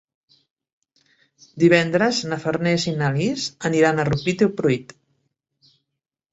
Divendres na Farners i na Lis aniran a Rupit i Pruit.